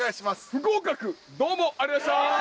不合格どうもありがとうございました